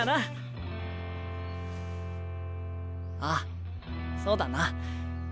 ああそうだな。